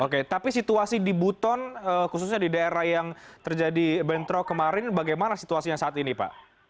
oke tapi situasi di buton khususnya di daerah yang terjadi bentrok kemarin bagaimana situasinya saat ini pak